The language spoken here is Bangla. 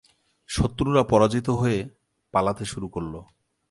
শত্রুরা পরাজিত হয়ে পালাতে শুরু করলো।